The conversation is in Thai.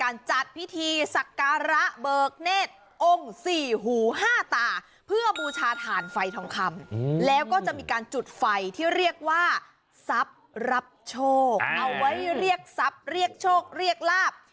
รับโชคเอาไว้เรียกทรัพย์เรียกโชคเรียกลาบ